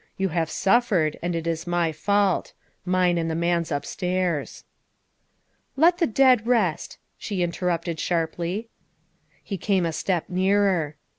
You have suf fered, and it is my fault mine and the man's upstairs." " Let the dead rest," she interrupted sharply. He came a step nearer.